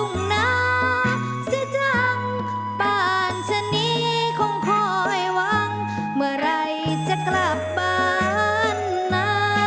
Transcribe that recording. วันเช่นนี้คงคอยหวังเมื่อไหร่จะกลับบ้านนะ